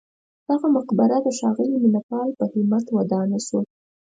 دغه مقبره د ښاغلي مینه پال په همت ودانه شوه.